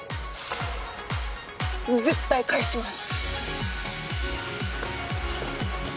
絶対返します。